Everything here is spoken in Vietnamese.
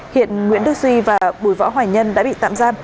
hiện nguyễn đức duy và bùi võ hoài nhân đã bị tạm giam